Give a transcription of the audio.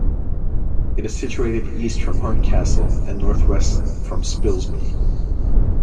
It is situated east from Horncastle and north-west from Spilsby.